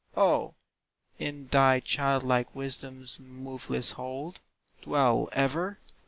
O, in thy child like wisdom's moveless hold Dwell ever!